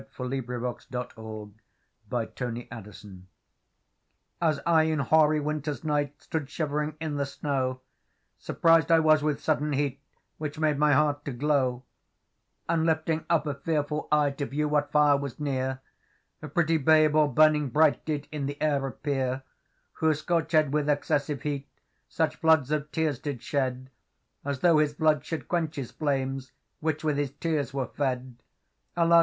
Robert Southwell 65. The Burning Babe AS I in hoary winter's nightStood shivering in the snow, Surprised I was with sudden heatWhich made my heart to glow; And lifting up a fearful eyeTo view what fire was near,A pretty babe all burning brightDid in the air appear; Who, scorchèd with excessive heat, Such floods of tears did shed, As though His floods should quench His flames, Which with His tears were bred:'Alas!